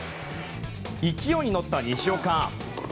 勢いに乗った西岡。